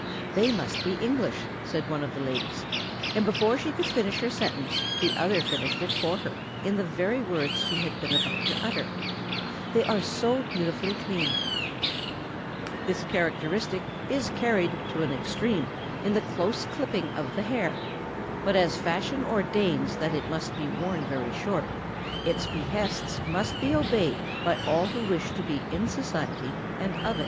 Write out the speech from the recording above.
] "They must be English," said one of the ladies; and before she could finish her sentence the other finished it for her in the very words she had been about to utter: "They are so beautifully clean!" [Sidenote: The close cropped head.] This characteristic is carried to an extreme in the close clipping of the hair; but as fashion ordains that it must be worn very short, its behests must be obeyed by all who wish to be in society and of it.